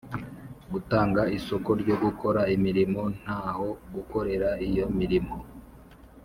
gutanga isoko ryo gukora imirimo ntaho gukorera iyo mirimo